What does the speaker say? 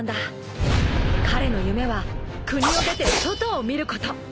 ［彼の夢は国を出て外を見ること］